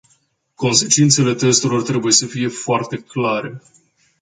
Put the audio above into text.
Consecințele testelor trebuie să fie foarte clare.